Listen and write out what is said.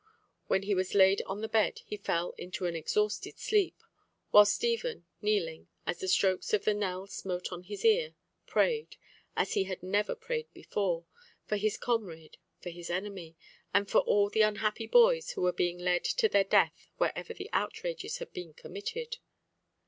When he was laid on the bed he fell unto an exhausted sleep, while Stephen kneeling, as the strokes of the knell smote on his ear, prayed—as he had never prayed before—for his comrade, for his enemy, and for all the unhappy boys who were being led to their death wherever the outrages had been committed.